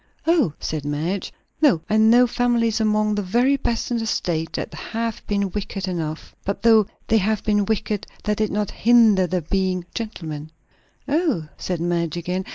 "Oh !" said Madge. "No. I know families among the very best in the State, that have been wicked enough; but though they have been wicked, that did not hinder their being gentlemen." "Oh !" said Madge again.